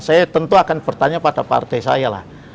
saya tentu akan bertanya pada partai saya lah